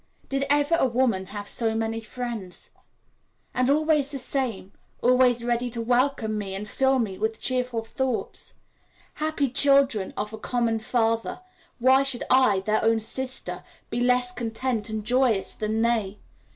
Did ever a woman have so many friends? And always the same, always ready to welcome me and fill me with cheerful thoughts. Happy children of a common Father, why should I, their own sister, be less content and joyous than they?